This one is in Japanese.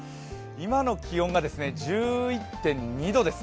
今の気温が１１．２度です。